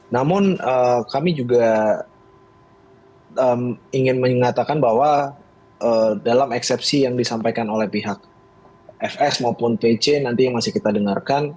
namun kami juga ingin mengatakan bahwa dalam eksepsi yang disampaikan oleh pihak fs maupun pc nanti yang masih kita dengarkan